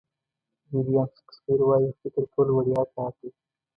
ویلیام شکسپیر وایي فکر کول وړیا کار دی.